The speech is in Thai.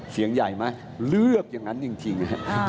เสียงใหญ่ไหมเลือกอย่างนั้นจริง